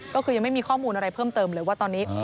ก็คือยังไม่มีข้อมูลอะไรเพิ่มเติมเลยว่าตอนนี้